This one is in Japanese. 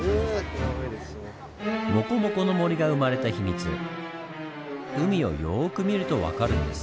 モコモコの森が生まれた秘密海をよく見ると分かるんです。